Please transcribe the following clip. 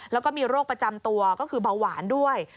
แล้วก็มีโรคประจำตัวก็คือเบาหวานด้วย